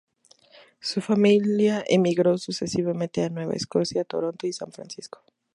Su familia emigró sucesivamente a Nueva Escocia, Toronto y San Francisco.